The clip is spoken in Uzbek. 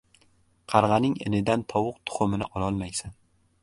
• Qarg‘aning inidan tovuq tuxumini ololmaysan.